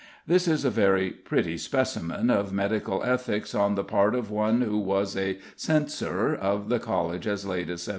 This is a very pretty specimen of medical ethics on the part of one who was a censor of the College as late as 1721.